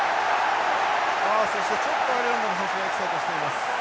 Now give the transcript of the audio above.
そしてちょっとアイルランドの選手がエキサイトしています。